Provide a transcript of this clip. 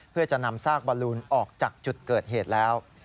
เพื่อจะนำซากบอลลูนออกจากจุดเกิดเหตุแล้ว